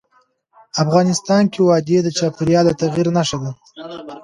افغانستان کې وادي د چاپېریال د تغیر نښه ده.